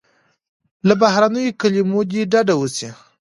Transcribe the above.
له بهرنیو کلیمو دې ډډه وسي.